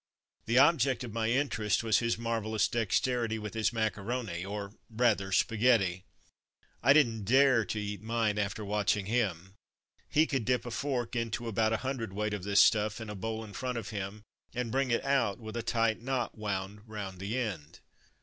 The object of my interest was his marvellous dexterity with his macaroni, or rather spaghetti. I didn^t dare to eat mine after watching him. He could dip a fork into about a hundredweight of this stuff in a bowl in front of him, and bring it out with a tight knot wound round the end.